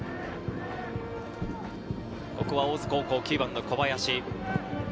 ここは大津高校、９番の小林。